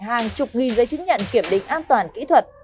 hàng chục nghìn giấy chứng nhận kiểm định an toàn kỹ thuật